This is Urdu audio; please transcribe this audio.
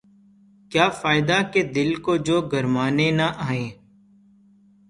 کیا فائدہ کہ دل کو جو گرمانے نہ آئیں